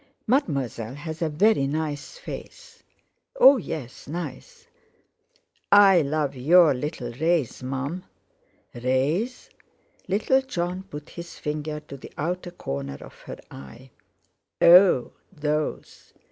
"Mademoiselle has a very nice face." "Oh! yes; nice. I love your little rays, Mum." "Rays?" Little Jon put his finger to the outer corner of her eye. "Oh! Those?